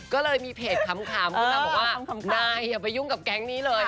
ก็เลยมีเพจค้ามคำว่ามึงแบบว่านายอย่าไปยุ่งกับแก๊งนี้เลย